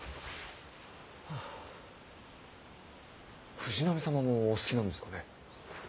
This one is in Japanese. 藤波様もお好きなんですかねえ。